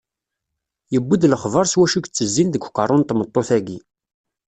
Yewwi-d lexbar s wacu i itezzin deg uqerru n tmeṭṭut-agi.